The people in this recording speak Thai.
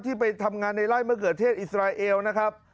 ที่ไปทำงานในลายมเผื่อเทศอิสไรเอลนะครับ